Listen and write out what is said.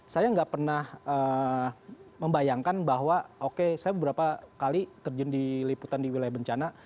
saya nggak pernah membayangkan bahwa oke saya beberapa kali terjun di liputan di wilayah bencana